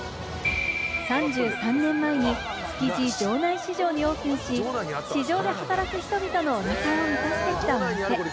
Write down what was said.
３３年前に築地場内市場にオープンし、市場で働く人々のおなかを満たしてきたお店。